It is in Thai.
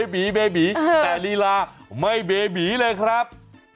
บีเบบีแต่ลีลาไม่เบบีเลยครับ